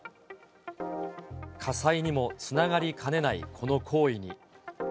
火災にもつながりかねない、この行為に。